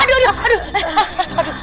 aduh aduh aduh